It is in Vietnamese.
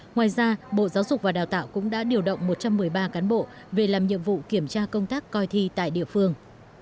ngoài ra bộ giáo dục và đào tạo cũng đã điều động một trăm một mươi ba cán bộ về làm nhiệm vụ kiểm tra công tác coi thi tại địa phương